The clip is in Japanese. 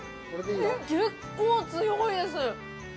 結構強いです。